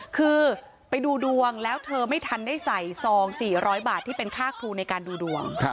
คือไปดูดวงแล้วเธอไม่ทันได้ใส่ซอง๔๐๐บาทที่เป็นค่าครูในการดูดวง